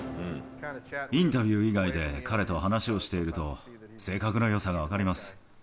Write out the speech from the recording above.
インタビュー以外で、彼と話をしていると、性格のよさが分かります。